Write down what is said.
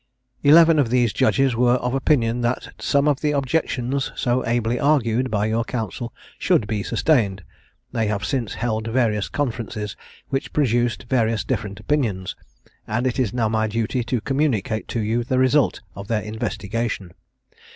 Eleven of these judges were of opinion that some of the objections, so ably argued by your counsel, should be sustained; they have since held various conferences, which produced various different opinions; and it is now my duty to communicate to you the result of their investigation.